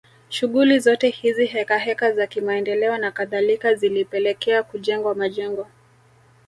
Shughuli zote hizi hekaheka za kimaendeleo na kadhalika zilipelekea kujengwa majengo